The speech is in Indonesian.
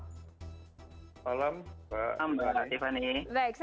selamat malam mbak tiffany